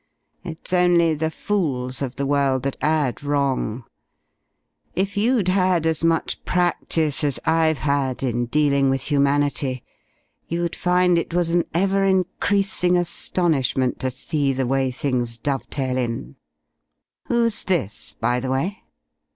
It's only the fools of the world that add wrong. If you'd had as much practice as I've had in dealing with humanity, you'd find it was an ever increasing astonishment to see the way things dovetail in.... Who's this, by the way?"